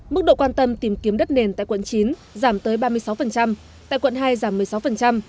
mức độ quan tâm tìm kiếm đất nền tại quận chín giảm tới ba mươi sáu tại quận hai giảm một mươi sáu